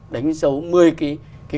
đánh dấu một mươi cái